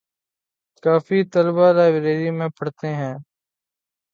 کافی طلبہ لائبریری میں پڑھتے ہیں